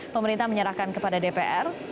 pemerintah menyerahkan kepada dpr